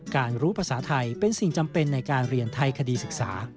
รู้ภาษาไทยเป็นสิ่งจำเป็นในการเรียนไทยคดีศึกษา